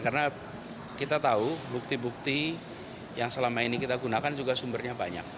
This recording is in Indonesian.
karena kita tahu bukti bukti yang selama ini kita gunakan juga sumbernya banyak